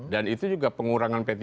dan itu juga pengurangan p tiga